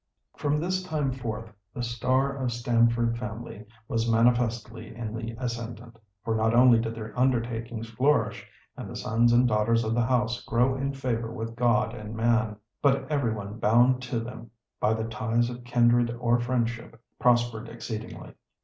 From this time forth the star of Stamford family was manifestly in the ascendant; for not only did their undertakings flourish and the sons and daughters of the house "grow in favour with God and man," but everyone bound to them by the ties of kindred or friendship prospered exceedingly.